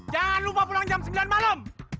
jangan lupa pulang jam sembilan malam